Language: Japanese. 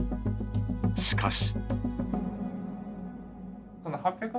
しかし。